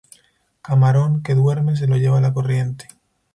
Camarón que duerme se lo lleva la corriente